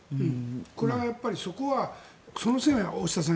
これはやっぱりその線は大下さん